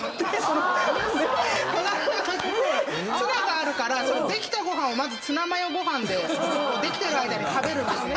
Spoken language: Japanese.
戸棚開けてツナがあるからできたご飯をまずツナマヨご飯でできてる間に食べるんですね。